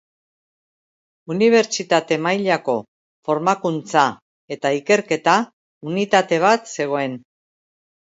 Unibertsitate mailako formakuntza eta ikerketa unitate bat zegoen.